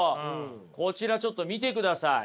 こちらちょっと見てください。